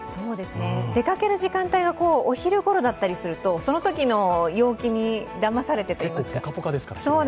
出かける時間帯がお昼ごろだったりするとそのときの陽気にだまされてといいますか。